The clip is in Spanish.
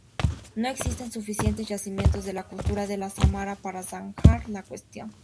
No existen suficientes yacimientos de la cultura de Samara para zanjar la cuestión.